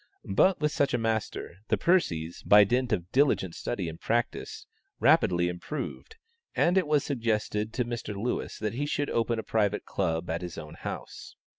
But with such a master, the Percies, by dint of diligent study and practice, rapidly improved, and it was suggested to Mr. Lewis that he should open a private club at his own house.